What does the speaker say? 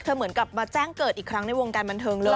เหมือนกับมาแจ้งเกิดอีกครั้งในวงการบันเทิงเลย